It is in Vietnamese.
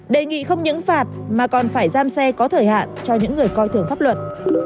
đề nghị không những phạt mà còn phải giam xe có thời hạn cho những người coi thường pháp luật